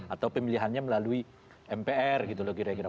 atau pemilihannya melalui mpr gitu loh kira kira